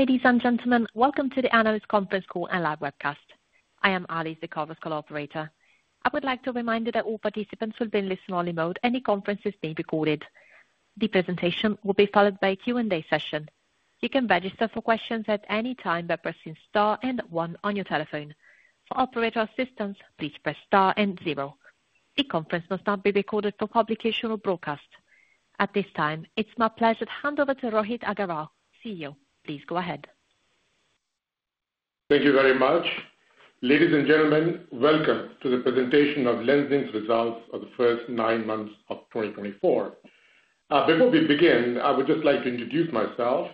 Ladies and gentlemen, welcome to the Analysts Conference Call and Live Webcast. I am Alice, the conference operator. I would like to remind you that all participants will be in listen-only mode, and the conference is being recorded. The presentation will be followed by a Q&A session. You can register for questions at any time by pressing Star and 1 on your telephone. For operator assistance, please press Star and 0. The conference must not be recorded for publication or broadcast. At this time, it's my pleasure to hand over to Rohit Aggarwal, CEO. Please go ahead. Thank you very much. Ladies and gentlemen, welcome to the presentation of LENZING's results for the first nine months of 2024. Before we begin, I would just like to introduce myself.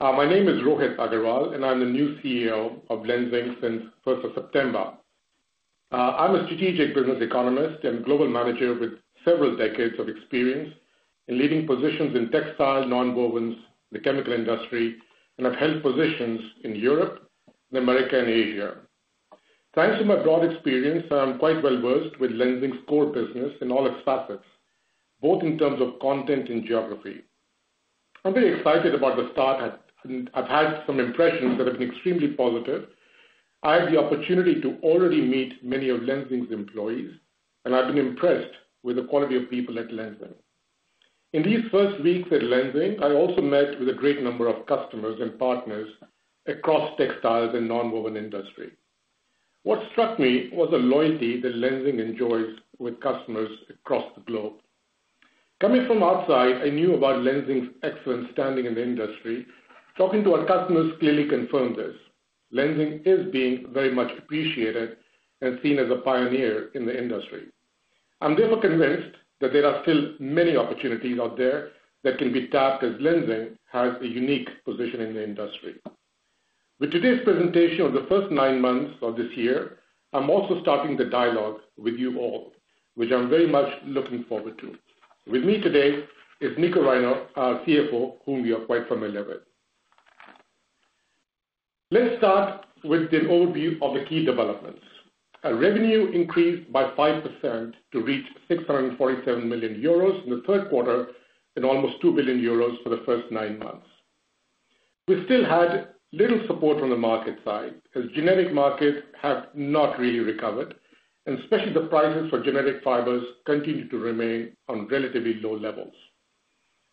My name is Rohit Aggarwal, and I'm the new CEO of LENZING since the 1st of September. I'm a strategic business economist and global manager with several decades of experience in leading positions in textile, nonwovens, the chemical industry, and I've held positions in Europe, America, and Asia. Thanks to my broad experience, I'm quite well-versed with LENZING's core business in all its facets, both in terms of content and geography. I'm very excited about the start. I've had some impressions that have been extremely positive. I had the opportunity to already meet many of LENZING's employees, and I've been impressed with the quality of people at LENZING. In these first weeks at LENZING, I also met with a great number of customers and partners across textiles and the nonwoven industry. What struck me was the loyalty that LENZING enjoys with customers across the globe. Coming from outside, I knew about LENZING's excellent standing in the industry. Talking to our customers clearly confirmed this. LENZING is being very much appreciated and seen as a pioneer in the industry. I'm therefore convinced that there are still many opportunities out there that can be tapped as LENZING has a unique position in the industry. With today's presentation of the first nine months of this year, I'm also starting the dialogue with you all, which I'm very much looking forward to. With me today is Nico Reiner, our CFO, whom you are quite familiar with. Let's start with an overview of the key developments. Our revenue increased by 5% to reach 647 million euros in the third quarter and almost 2 billion euros for the first nine months. We still had little support on the market side as generic markets have not really recovered, and especially the prices for generic fibers continue to remain on relatively low levels.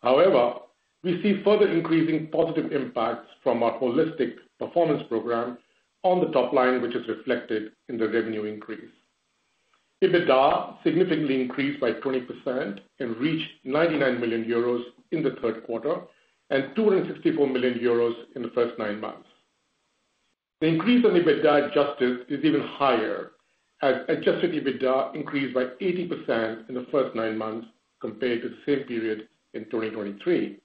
However, we see further increasing positive impacts from our holistic performance program on the top line, which is reflected in the revenue increase. EBITDA significantly increased by 20% and reached 99 million euros in the third quarter and 264 million euros in the first nine months. The increase in EBITDA adjusted is even higher, as adjusted EBITDA increased by 80% in the first nine months compared to the same period in 2023.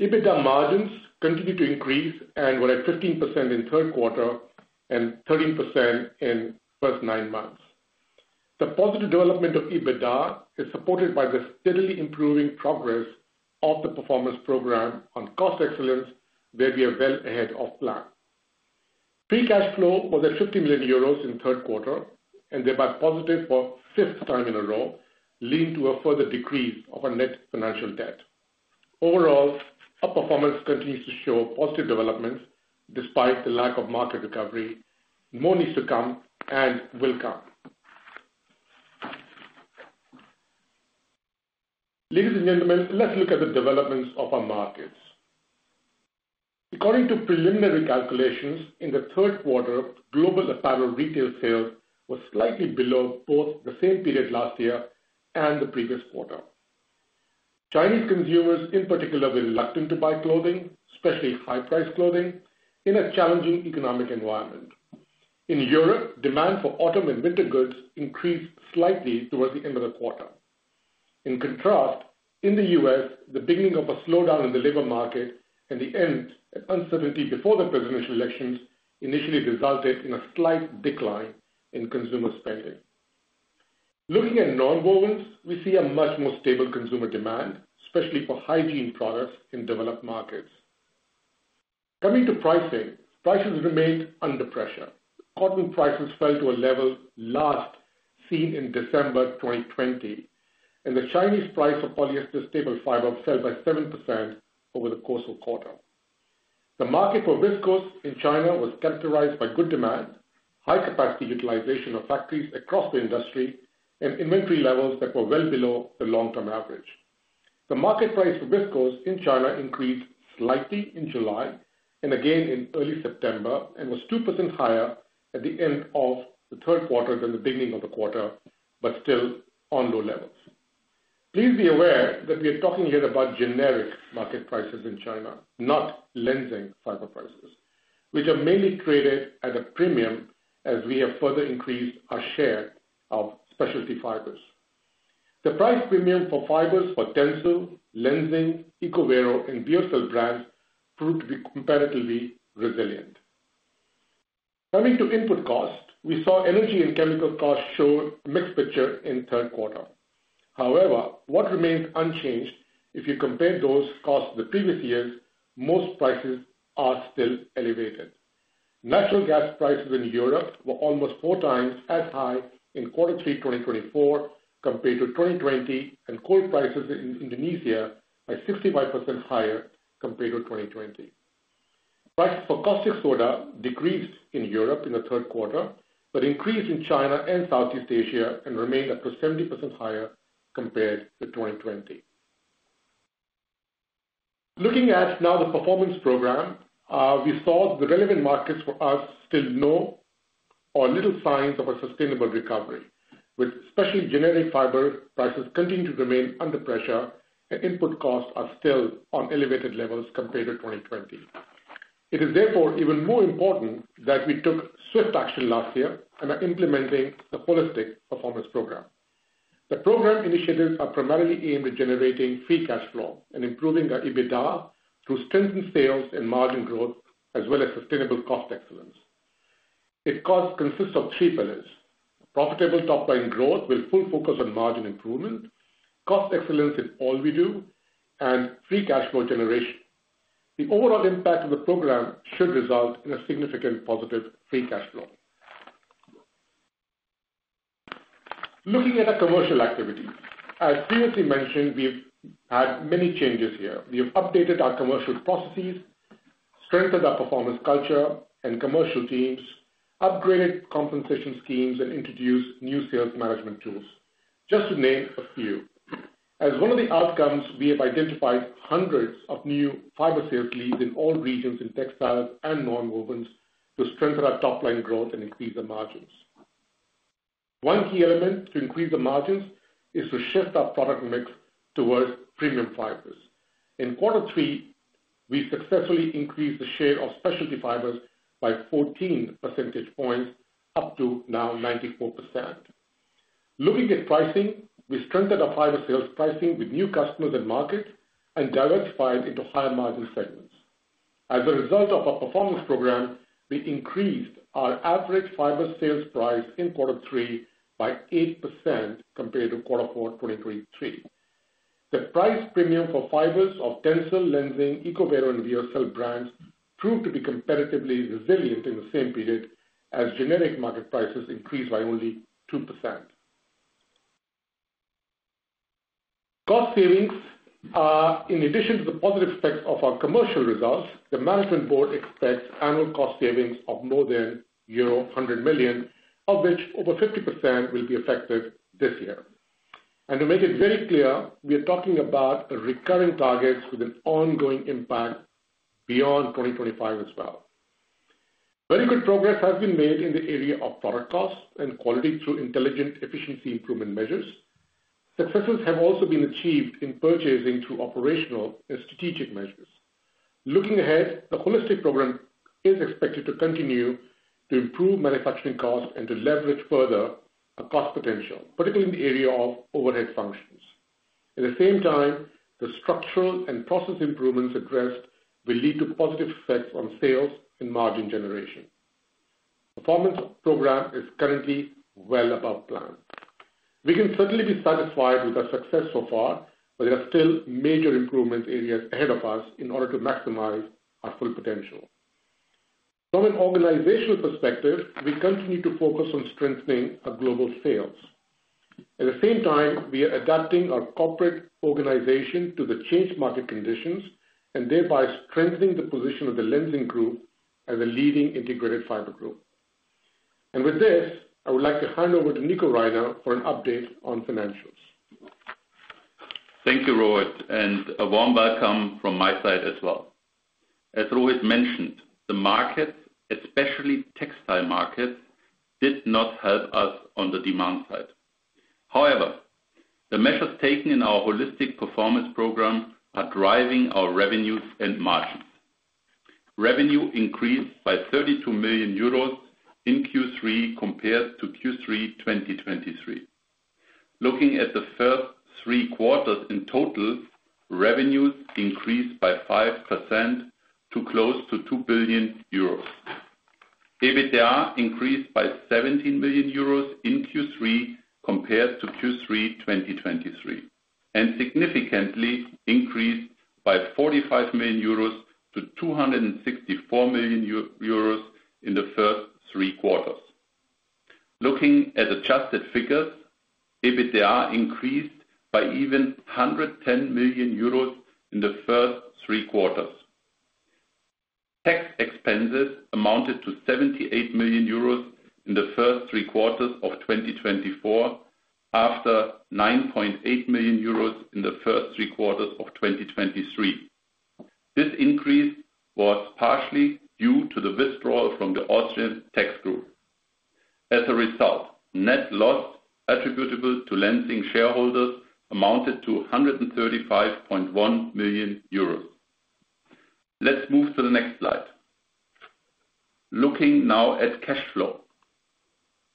EBITDA margins continue to increase and were at 15% in the third quarter and 13% in the first nine months. The positive development of EBITDA is supported by the steadily improving progress of the performance program on cost excellence, where we are well ahead of plan. Free cash flow was at 50 million euros in the third quarter and thereby positive for the fifth time in a row, leading to a further decrease of our net financial debt. Overall, our performance continues to show positive developments despite the lack of market recovery. More needs to come and will come. Ladies and gentlemen, let's look at the developments of our markets. According to preliminary calculations, in the third quarter, global apparel retail sales were slightly below both the same period last year and the previous quarter. Chinese consumers, in particular, were reluctant to buy clothing, especially high-priced clothing, in a challenging economic environment. In Europe, demand for autumn and winter goods increased slightly towards the end of the quarter. In contrast, in the U.S., the beginning of a slowdown in the labor market and the end of uncertainty before the presidential elections initially resulted in a slight decline in consumer spending. Looking at non-wovens, we see a much more stable consumer demand, especially for hygiene products in developed markets. Coming to pricing, prices remained under pressure. Cotton prices fell to a level last seen in December 2020, and the Chinese price of polyester staple fiber fell by 7% over the course of the quarter. The market for viscose in China was characterized by good demand, high capacity utilization of factories across the industry, and inventory levels that were well below the long-term average. The market price for viscose in China increased slightly in July and again in early September and was 2% higher at the end of the third quarter than the beginning of the quarter, but still on low levels. Please be aware that we are talking here about generic market prices in China, not LENZING fiber prices, which are mainly traded at a premium as we have further increased our share of specialty fibers. The price premium for fibers for TENCEL, LENZING, ECOVERO and VEOCEL brands proved to be comparatively resilient. Coming to input cost, we saw energy and chemical costs show a mixed picture in the third quarter. However, what remains unchanged, if you compare those costs of the previous years, is that most prices are still elevated. Natural gas prices in Europe were almost four times as high in quarter three 2024 compared to 2020, and coal prices in Indonesia were 65% higher compared to 2020. Prices for caustic soda decreased in Europe in the third quarter, but increased in China and Southeast Asia, and remained up to 70% higher compared to 2020. Looking now at the performance program, we saw that the relevant markets for us still show little signs of a sustainable recovery, with especially generic fiber prices continuing to remain under pressure, and input costs are still on elevated levels compared to 2020. It is therefore even more important that we took swift action last year and are implementing the holistic performance program. The program initiatives are primarily aimed at generating free cash flow and improving our EBITDA through strengthened sales and margin growth, as well as sustainable cost excellence. Its costs consist of three pillars: profitable top-line growth with full focus on margin improvement, cost excellence in all we do, and free cash flow generation. The overall impact of the program should result in a significant positive free cash flow. Looking at our commercial activities, as previously mentioned, we've had many changes here. We have updated our commercial processes, strengthened our performance culture and commercial teams, upgraded compensation schemes, and introduced new sales management tools, just to name a few. As one of the outcomes, we have identified hundreds of new fiber sales leads in all regions in textiles and non-wovens to strengthen our top-line growth and increase our margins. One key element to increase the margins is to shift our product mix towards premium fibers. In quarter three, we successfully increased the share of specialty fibers by 14 percentage points, up to now 94%. Looking at pricing, we strengthened our fiber sales pricing with new customers and markets and diversified into higher margin segments. As a result of our performance program, we increased our average fiber sales price in quarter three by 8% compared to quarter four 2023. The price premium for fibers of TENCEL, LENZING, ECOVERO, and VEOCEL brands proved to be comparatively resilient in the same period as generic market prices increased by only 2%. Cost savings, in addition to the positive effects of our commercial results. The management board expects annual cost savings of more than euro 100 million, of which over 50% will be effective this year. To make it very clear, we are talking about recurring targets with an ongoing impact beyond 2025 as well. Very good progress has been made in the area of product costs and quality through intelligent efficiency improvement measures. Successes have also been achieved in purchasing through operational and strategic measures. Looking ahead, the holistic program is expected to continue to improve manufacturing costs and to leverage further cost potential, particularly in the area of overhead functions. At the same time, the structural and process improvements addressed will lead to positive effects on sales and margin generation. Performance program is currently well above plan. We can certainly be satisfied with our success so far, but there are still major improvement areas ahead of us in order to maximize our full potential. From an organizational perspective, we continue to focus on strengthening our global sales. At the same time, we are adapting our corporate organization to the changed market conditions and thereby strengthening the position of the LENZING Group as a leading integrated fiber group. With this, I would like to hand over to Nico Reiner for an update on financials. Thank you, Rohit, and a warm welcome from my side as well. As Rohit mentioned, the markets, especially textile markets, did not help us on the demand side. However, the measures taken in our Holistic performance program are driving our revenues and margins. Revenue increased by 32 million euros in Q3 compared to Q3 2023. Looking at the first three quarters in total, revenues increased by 5% to close to 2 billion euros. EBITDA increased by 17 million euros in Q3 compared to Q3 2023 and significantly increased by 45 million euros to 264 million euros in the first three quarters. Looking at adjusted figures, EBITDA increased by even 110 million euros in the first three quarters. Tax expenses amounted to 78 million euros in the first three quarters of 2024, after 9.8 million euros in the first three quarters of 2023. This increase was partially due to the withdrawal from the Austrian tax group. As a result, net loss attributable to LENZING shareholders amounted to 135.1 million euros. Let's move to the next slide. Looking now at cash flow,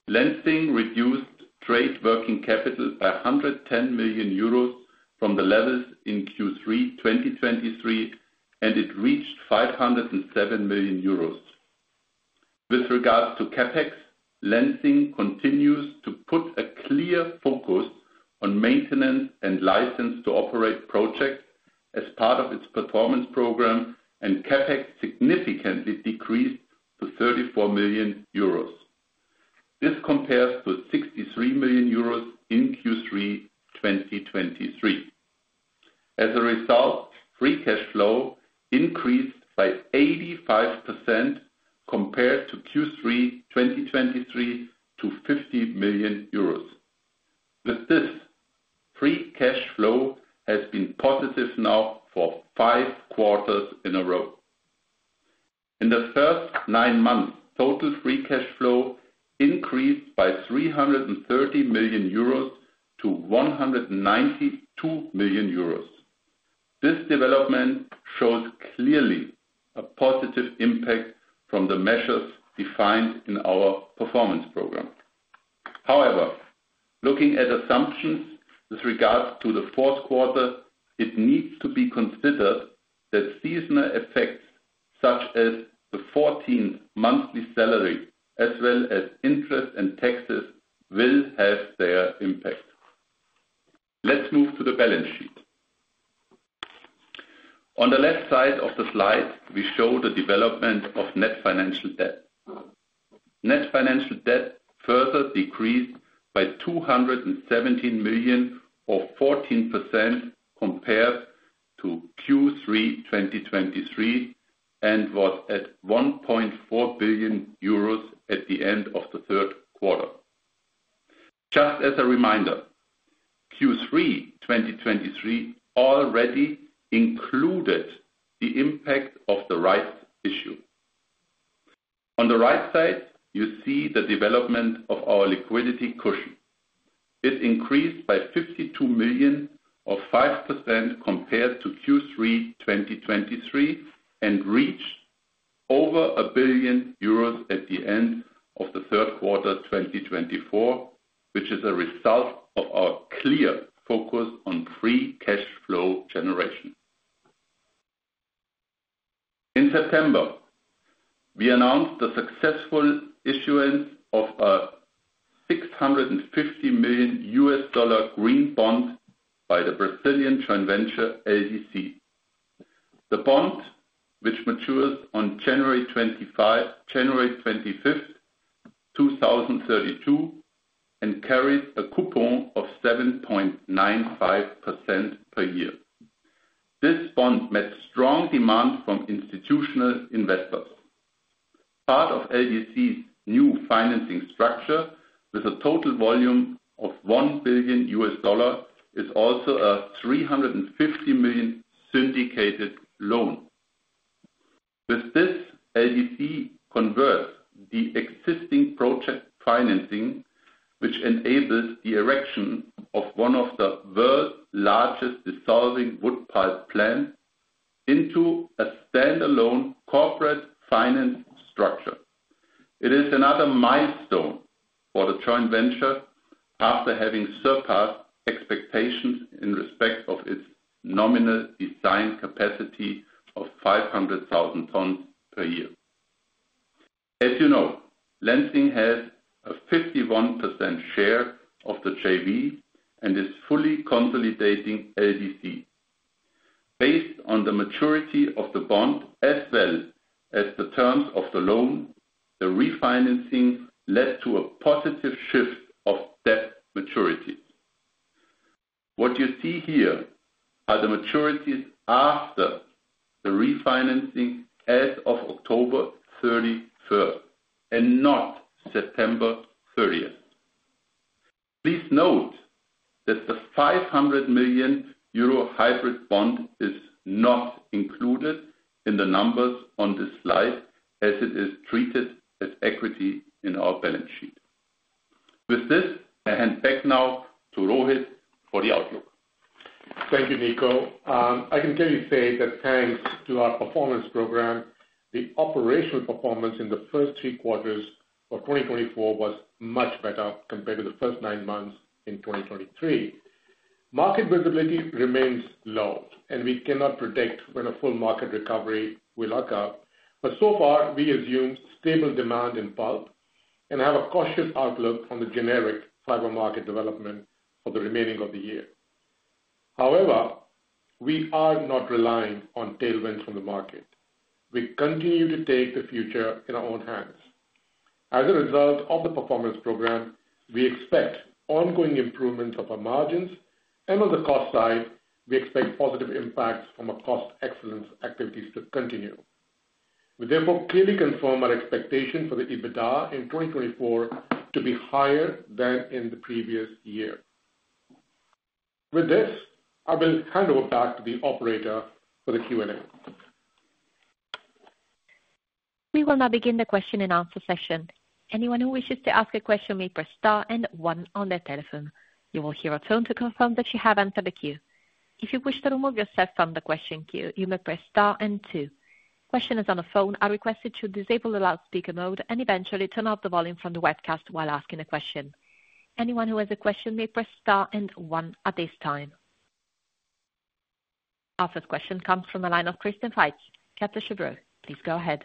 LENZING reduced trade working capital by 110 million euros from the levels in Q3 2023, and it reached 507 million euros. With regards to CapEx, LENZING continues to put a clear focus on maintenance and license-to-operate projects as part of its performance program, and CapEx significantly decreased to 34 million euros. This compares to 63 million euros in Q3 2023. As a result, free cash flow increased by 85% compared to Q3 2023 to 50 million euros. With this, free cash flow has been positive now for five quarters in a row. In the first nine months, total free cash flow increased by 330 million euros to 192 million euros. This development shows clearly a positive impact from the measures defined in our performance program. However, looking at assumptions with regards to the fourth quarter, it needs to be considered that seasonal effects such as the 14th monthly salary, as well as interest and taxes, will have their impact. Let's move to the balance sheet. On the left side of the slide, we show the development of net financial debt. Net financial debt further decreased by 217 million, or 14% compared to Q3 2023, and was at 1.4 billion euros at the end of the third quarter. Just as a reminder, Q3 2023 already included the impact of the rights issue. On the right side, you see the development of our liquidity cushion. It increased by 52 million, or 5% compared to Q3 2023, and reached over 1 billion euros at the end of the third quarter 2024, which is a result of our clear focus on free cash flow generation. In September, we announced the successful issuance of a $650 million US dollar green bond by the Brazilian joint venture LDC. The bond, which matures on January 25, 2025, and carries a coupon of 7.95% per year. This bond met strong demand from institutional investors. Part of LDC's new financing structure, with a total volume of $1 billion US dollar, is also a $350 million syndicated loan. With this, LDC converts the existing project financing, which enables the erection of one of the world's largest dissolving wood pulp plants, into a standalone corporate finance structure. It is another milestone for the joint venture after having surpassed expectations in respect of its nominal design capacity of 500,000 tons per year. As you know, LENZING has a 51% share of the JV and is fully consolidating LDC. Based on the maturity of the bond as well as the terms of the loan, the refinancing led to a positive shift of debt maturity. What you see here are the maturities after the refinancing as of October 31 and not September 30. Please note that the 500 million euro hybrid bond is not included in the numbers on this slide as it is treated as equity in our balance sheet. With this, I hand back now to Rohit for the outlook. Thank you, Nico. I can clearly say that thanks to our performance program, the operational performance in the first three quarters of 2024 was much better compared to the first nine months in 2023. Market visibility remains low, and we cannot predict when a full market recovery will occur. But so far, we assume stable demand in bulk and have a cautious outlook on the generic fiber market development for the remaining of the year. However, we are not relying on tailwinds from the market. We continue to take the future in our own hands. As a result of the performance program, we expect ongoing improvements of our margins, and on the cost side, we expect positive impacts from our cost excellence activities to continue. We therefore clearly confirm our expectation for the EBITDA in 2024 to be higher than in the previous year. With this, I will hand over back to the operator for the Q&A. We will now begin the question and answer session. Anyone who wishes to ask a question may press star and one on their telephone. You will hear a tone to confirm that you have answered the queue. If you wish to remove yourself from the question queue, you may press star and two. Questioners on the phone are requested to disable the loudspeaker mode and eventually turn off the volume from the webcast while asking a question. Anyone who has a question may press star and one at this time. Our first question comes from the line of Christian Faitz, Kepler Cheuvreux. Please go ahead.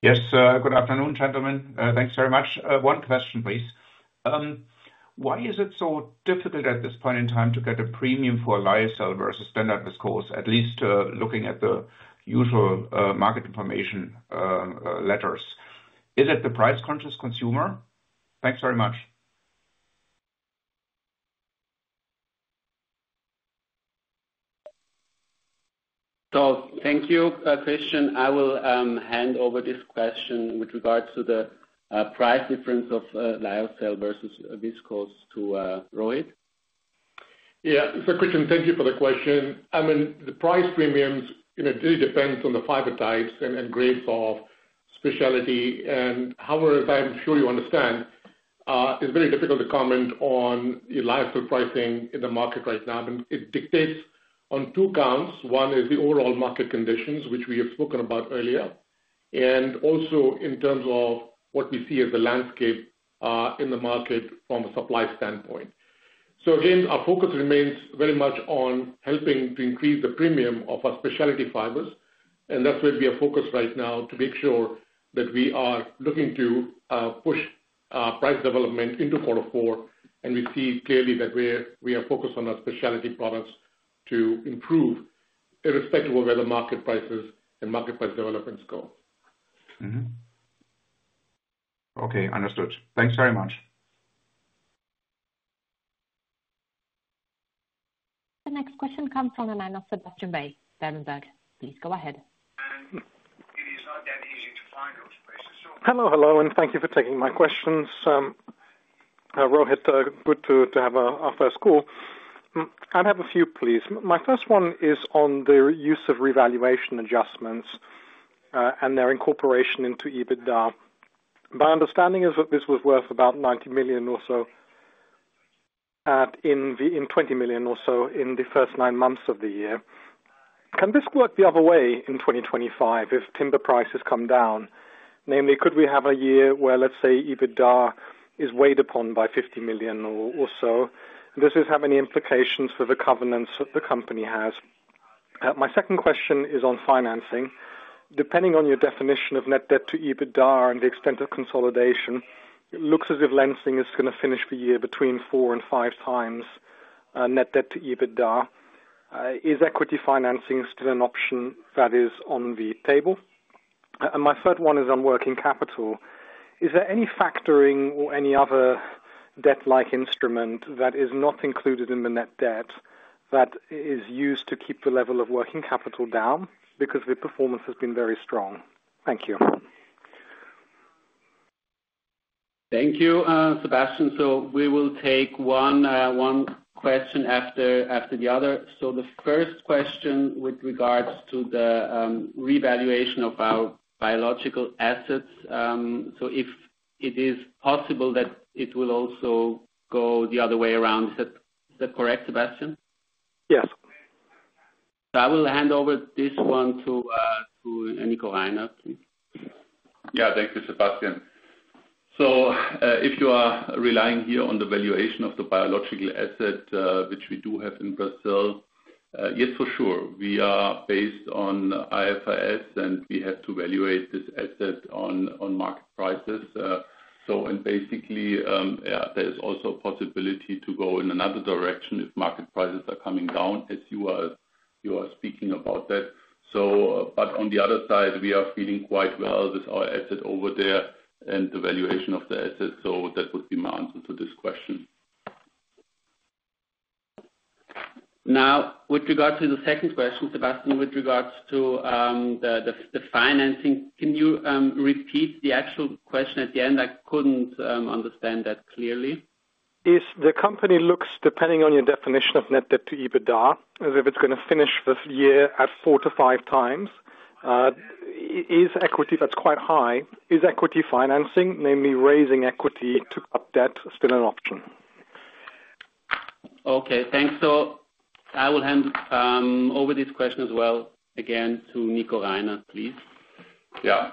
Yes, good afternoon, gentlemen. Thanks very much. One question, please. Why is it so difficult at this point in time to get a premium for a lyocell versus standard viscose, at least looking at the usual market information letters? Is it the price-conscious consumer? Thanks very much. So thank you, Christian. I will hand over this question with regards to the price difference of lyocell versus Viscose to Rohit. Yeah, so Christian, thank you for the question. I mean, the price premiums do depend on the fiber types and grades of specialty. And however, as I'm sure you understand, it's very difficult to comment on the lyocell pricing in the market right now. It dictates on two counts. One is the overall market conditions, which we have spoken about earlier, and also in terms of what we see as the landscape in the market from a supply standpoint. So again, our focus remains very much on helping to increase the premium of our specialty fibers. And that's where we are focused right now to make sure that we are looking to push price development into quarter four. And we see clearly that we are focused on our specialty products to improve irrespective of where the market prices and market price developments go. Okay, understood. Thanks very much. The next question comes from the line of Sebastian Bray, Berenberg. Please go ahead. Hello, hello, and thank you for taking my questions. Rohit, good to have our first call. I'd have a few, please. My first one is on the use of revaluation adjustments and their incorporation into EBITDA. My understanding is that this was worth about 90 million or so in 2020, 20 million or so in the first nine months of the year. Can this work the other way in 2025 if timber prices come down? Namely, could we have a year where, let's say, EBITDA is weighed upon by 50 million or so? This is how many implications for the covenants the company has. My second question is on financing. Depending on your definition of net debt to EBITDA and the extent of consolidation, it looks as if LENZING is going to finish the year between four and five times net debt to EBITDA. Is equity financing still an option that is on the table? And my third one is on working capital. Is there any factoring or any other debt-like instrument that is not included in the net debt that is used to keep the level of working capital down because the performance has been very strong? Thank you. Thank you, Sebastian. So we will take one question after the other. So the first question with regards to the revaluation of our biological assets. So if it is possible that it will also go the other way around, is that correct, Sebastian? Yes. So I will hand over this one to Nico Reiner. Yeah, thank you, Sebastian. So if you are relying here on the valuation of the biological asset, which we do have in Brazil, yes, for sure. We are based on IFRS, and we have to value this asset on market prices. And basically, there is also a possibility to go in another direction if market prices are coming down, as you were speaking about that. But on the other side, we are feeling quite well with our asset over there and the valuation of the asset. So that would be my answer to this question. Now, with regards to the second question, Sebastian, with regards to the financing, can you repeat the actual question at the end? I couldn't understand that clearly. If the company looks, depending on your definition of net debt to EBITDA, as if it's going to finish this year at four-to-five times, that's quite high. Is equity financing, namely raising equity to cut debt, still an option? Okay, thanks. So I will hand over this question as well again to Nico Reiner, please. Yeah.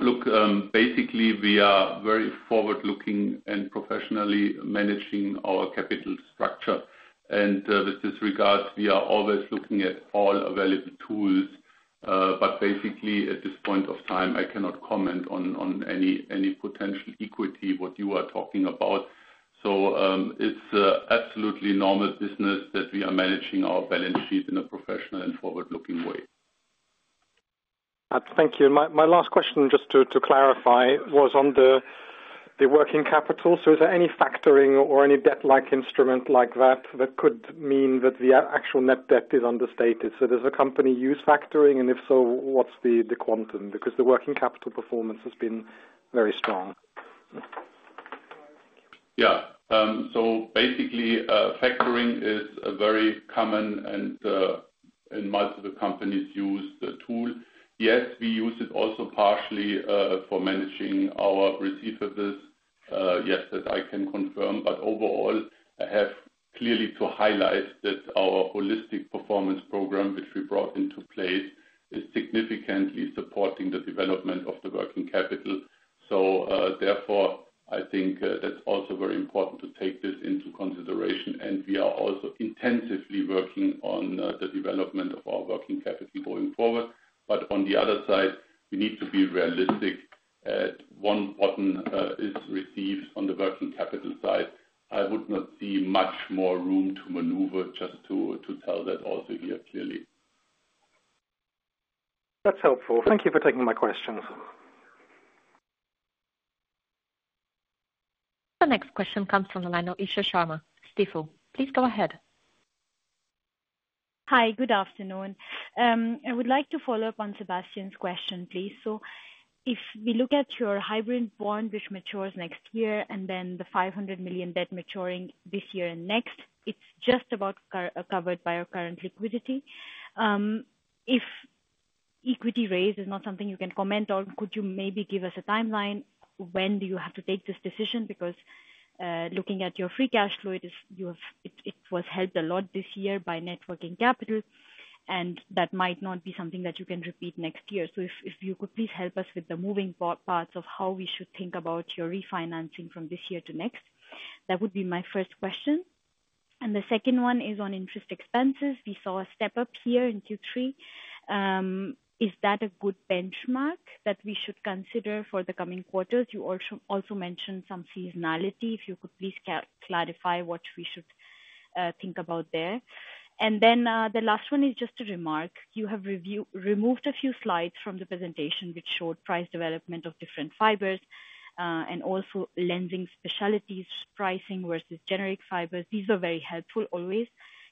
Look, basically, we are very forward-looking and professionally managing our capital structure. And with this regard, we are always looking at all available tools. But basically, at this point of time, I cannot comment on any potential equity, what you are talking about. So it's absolutely normal business that we are managing our balance sheet in a professional and forward-looking way. Thank you. My last question, just to clarify, was on the working capital. So is there any factoring or any debt-like instrument like that that could mean that the actual net debt is understated? So does the company use factoring? And if so, what's the quantum? Because the working capital performance has been very strong. Yeah. So basically, factoring is a very common and in multiple companies used tool. Yes, we use it also partially for managing our receivables. Yes, that I can confirm. But overall, I have clearly to highlight that our Holistic performance program, which we brought into place, is significantly supporting the development of the working capital. So therefore, I think that's also very important to take this into consideration. And we are also intensively working on the development of our working capital going forward. But on the other side, we need to be realistic. EUR 1 billion is received on the working capital side. I would not see much more room to maneuver just to tell that also here clearly. That's helpful. Thank you for taking my questions. The next question comes from the line of Isha Sharma, Stifel. Please go ahead. Hi, good afternoon. I would like to follow up on Sebastian's question, please. So if we look at your hybrid bond, which matures next year, and then the €500 million debt maturing this year and next, it's just about covered by our current liquidity. If equity raise is not something you can comment on, could you maybe give us a timeline? When do you have to take this decision? Because looking at your free cash flow, it was helped a lot this year by net working capital, and that might not be something that you can repeat next year. So if you could please help us with the moving parts of how we should think about your refinancing from this year to next, that would be my first question. And the second one is on interest expenses. We saw a step up here in Q3. Is that a good benchmark that we should consider for the coming quarters? You also mentioned some seasonality. If you could please clarify what we should think about there. And then the last one is just a remark. You have removed a few slides from the presentation which showed price development of different fibers and also LENZING specialties pricing versus generic fibers. These are very helpful always.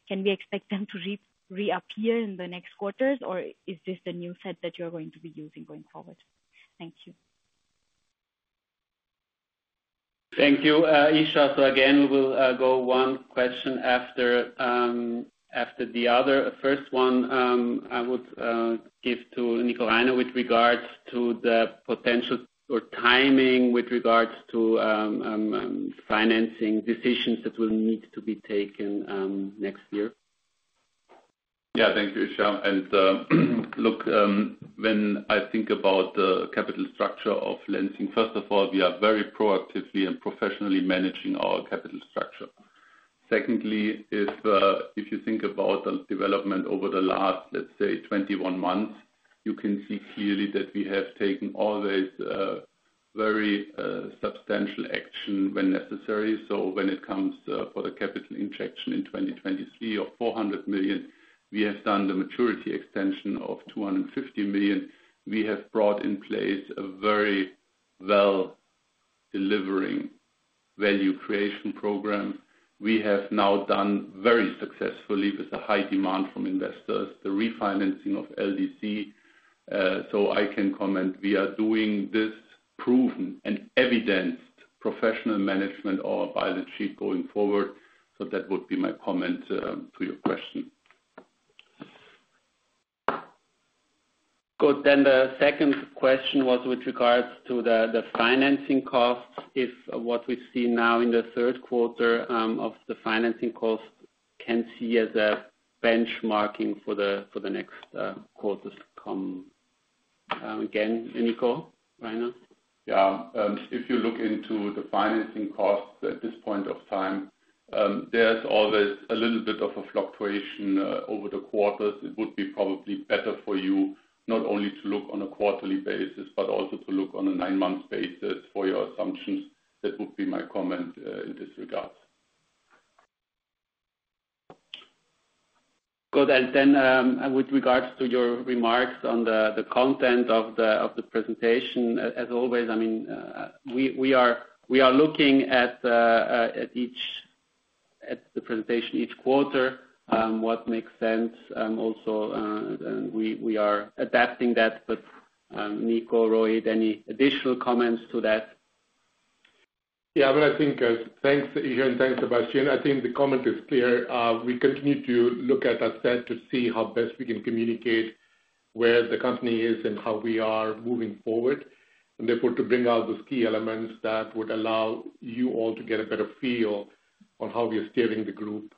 Can we expect them to reappear in the next quarters, or is this the new set that you are going to be using going forward? Thank you. Thank you, Isha. So again, we will go one question after the other. The first one I would give to Nico Reiner with regards to the potential or timing with regards to financing decisions that will need to be taken next year. Yeah, thank you, Isha. And look, when I think about the capital structure of LENZING, first of all, we are very proactively and professionally managing our capital structure. Secondly, if you think about the development over the last, let's say, 21 months, you can see clearly that we have taken always very substantial action when necessary, so when it comes for the capital injection in 2023 of € 400 million, we have done the maturity extension of € 250 million. We have brought in place a very well-delivering value creation program. We have now done very successfully with the high demand from investors, the refinancing of LDC. So I can comment we are doing this proven and evidenced professional management of our balance sheet going forward. So that would be my comment to your question. Good. Then the second question was with regards to the financing costs. If what we see now in the third quarter of the financing cost can see as a benchmark for the next quarters to come? Again, Nico Reiner? Yeah. If you look into the financing costs at this point of time, there's always a little bit of a fluctuation over the quarters. It would be probably better for you not only to look on a quarterly basis, but also to look on a nine-month basis for your assumptions. That would be my comment in this regard. Good. And then with regards to your remarks on the content of the presentation, as always, I mean, we are looking at the presentation each quarter, what makes sense. Also, we are adapting that. But Nico, Rohit, any additional comments to that? Yeah, well, I think thanks, Isha and thanks, Sebastian. I think the comment is clear. We continue to look at that set to see how best we can communicate where the company is and how we are moving forward and therefore, to bring out the key elements that would allow you all to get a better feel on how we are steering the group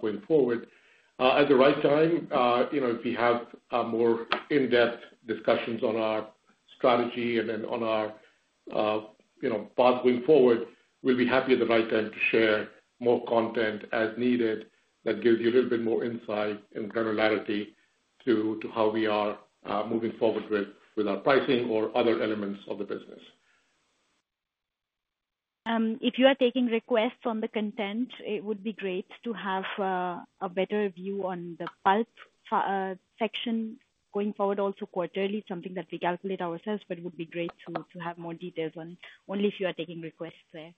going forward. At the right time, if we have more in-depth discussions on our strategy and then on our path going forward, we'll be happy at the right time to share more content as needed that gives you a little bit more insight and granularity to how we are moving forward with our pricing or other elements of the business. If you are taking requests on the content, it would be great to have a better view on the pulp section going forward, also quarterly, something that we calculate ourselves, but it would be great to have more details on, only if you are taking requests there.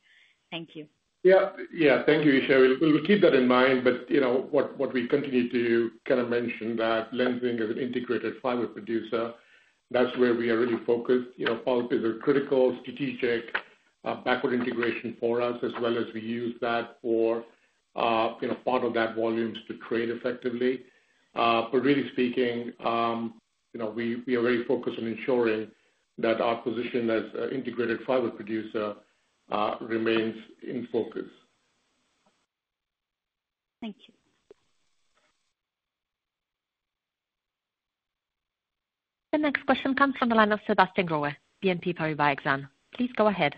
Thank you. Yeah, yeah. Thank you, Isha. We'll keep that in mind. But what we continue to kind of mention that LENZING as an integrated fiber producer, that's where we are really focused. Pulp is a critical strategic backward integration for us, as well as we use that for part of that volumes to trade effectively. But really speaking, we are very focused on ensuring that our position as an integrated fiber producer remains in focus. Thank you. The next question comes from the line of Sebastian Growe, BNP Paribas Exane. Please go ahead.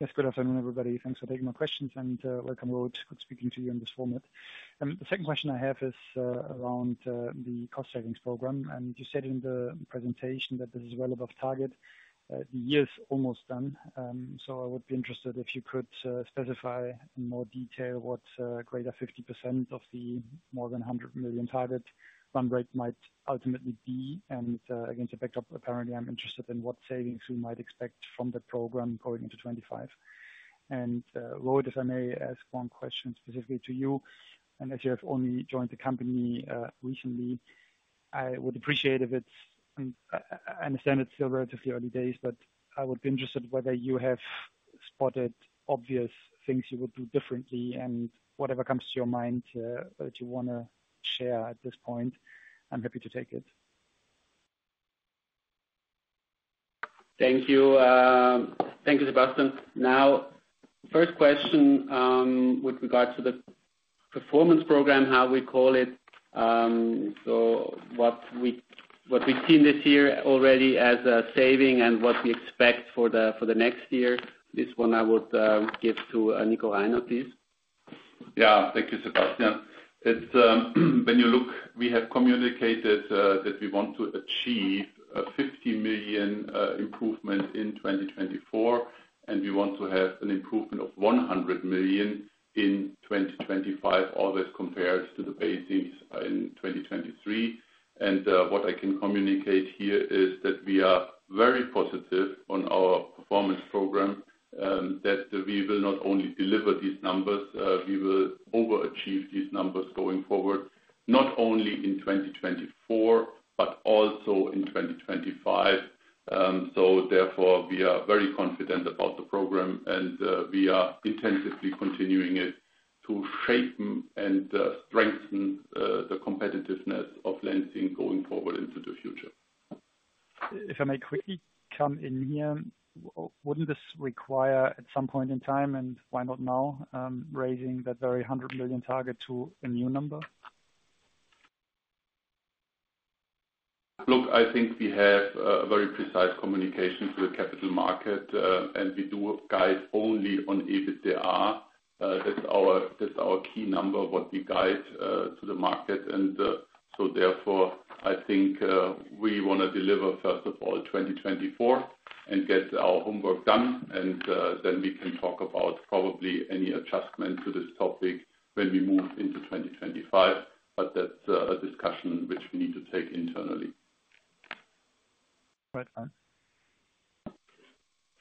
Yes, good afternoon, everybody. Thanks for taking my questions and welcome, Rohit. Good speaking to you in this format and the second question I have is around the cost savings program and you said in the presentation that this is well above target. The year is almost done, so I would be interested if you could specify in more detail what greater 50% of the more than 100 million target run rate might ultimately be and against the backdrop, apparently, I'm interested in what savings we might expect from the program going into 2025 and Rohit, if I may ask one question specifically to you. As you have only joined the company recently, I would appreciate. I understand it's still relatively early days, but I would be interested whether you have spotted obvious things you would do differently and whatever comes to your mind that you want to share at this point. I'm happy to take it. Thank you. Thank you, Sebastian. Now, first question with regards to the performance program, how we call it. So what we've seen this year already as a saving and what we expect for the next year, this one I would give to Nico Reiner, please. Yeah, thank you, Sebastian. When you look, we have communicated that we want to achieve a 50 million improvement in 2024, and we want to have an improvement of 100 million in 2025, always compared to the basis in 2023. And what I can communicate here is that we are very positive on our performance program, that we will not only deliver these numbers, we will overachieve these numbers going forward, not only in 2024, but also in 2025. So therefore, we are very confident about the program, and we are intensively continuing it to shape and strengthen the competitiveness of LENZING going forward into the future. If I may quickly come in here, wouldn't this require at some point in time, and why not now, raising that very 100 million target to a new number? Look, I think we have a very precise communication to the capital market, and we do guide only on EBITDA. That's our key number, what we guide to the market. And so therefore, I think we want to deliver, first of all, 2024 and get our homework done. And then we can talk about probably any adjustment to this topic when we move into 2025. But that's a discussion which we need to take internally. Right.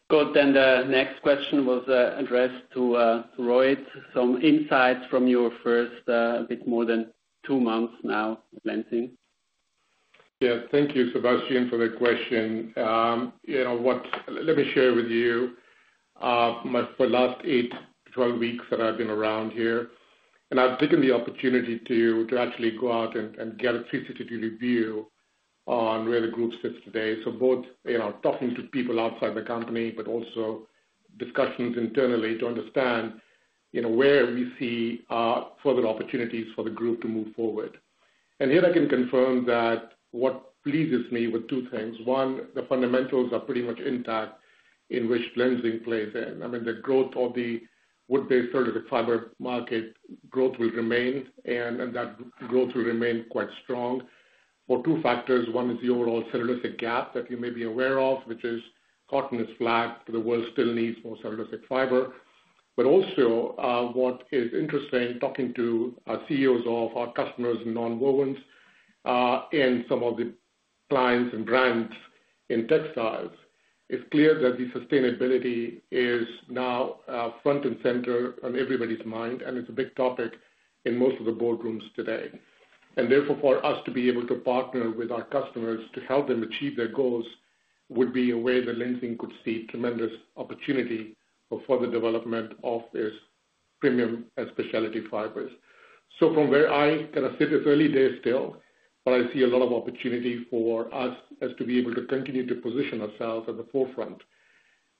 Good. Then the next question was addressed to Rohit. Some insights from your first, a bit more than two months now, LENZING. Yeah. Thank you, Sebastian, for the question. Let me share with you for the last eight to 12 weeks that I've been around here, and I've taken the opportunity to actually go out and get a 360-degree view on where the group sits today. Both talking to people outside the company, but also discussions internally to understand where we see further opportunities for the group to move forward. Here I can confirm that what pleases me with two things. One, the fundamentals are pretty much intact in which LENZING plays in. I mean, the growth of the wood-based cellulosic fiber market growth will remain, and that growth will remain quite strong for two factors. One is the overall cellulosic gap that you may be aware of, which is cotton is flat, but the world still needs more cellulosic fiber. But also what is interesting, talking to CEOs of our customers and non-wovens and some of the clients and brands in textiles, it's clear that the sustainability is now front and center on everybody's mind, and it's a big topic in most of the boardrooms today. And therefore, for us to be able to partner with our customers to help them achieve their goals would be a way that LENZING could see tremendous opportunity for further development of this premium specialty fibers. So from where I kind of sit, it's early days still, but I see a lot of opportunity for us as to be able to continue to position ourselves at the forefront.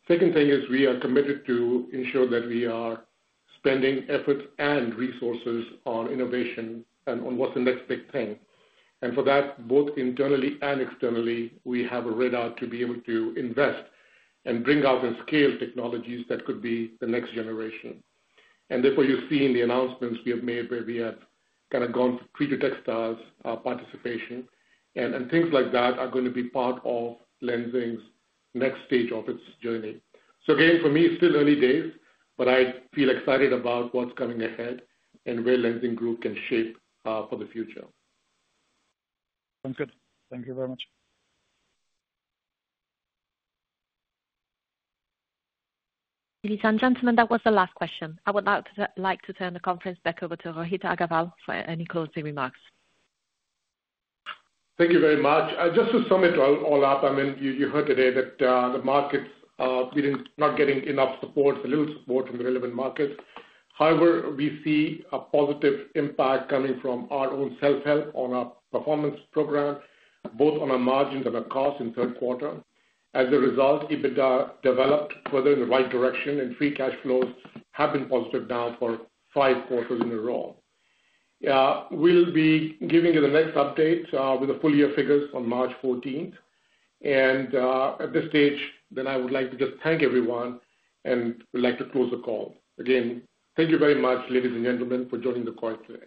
Second thing is we are committed to ensure that we are spending efforts and resources on innovation and on what's the next big thing. For that, both internally and externally, we have a radar to be able to invest and bring out and scale technologies that could be the next generation. Therefore, you've seen the announcements we have made where we have kind of gone pre-competitive textiles participation, and things like that are going to be part of LENZING's next stage of its journey. So again, for me, it's still early days, but I feel excited about what's coming ahead and where LENZING Group can shape for the future. Sounds good. Thank you very much. Ladies and gentlemen, that was the last question. I would like to turn the conference back over to Rohit Aggarwal for any closing remarks. Thank you very much. Just to sum it all up, I mean, you heard today that the markets are not getting enough support, a little support from the relevant markets. However, we see a positive impact coming from our own self-help on our performance program, both on our margins and our costs in third quarter. As a result, EBITDA developed further in the right direction, and free cash flows have been positive now for five quarters in a row. We'll be giving you the next update with the full year figures on March 14th. And at this stage, then I would like to just thank everyone and would like to close the call. Again, thank you very much, ladies and gentlemen, for joining the call.